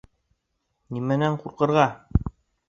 Нимәнән ҡурҡырға?